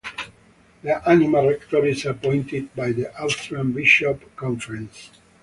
The Anima rector is appointed by the Austrian Bishop conference.